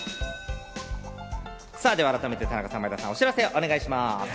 改めて田中さん、前田さん、お知らせをお願いします。